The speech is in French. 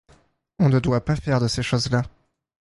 On ne doit pas faire de ces choses-là.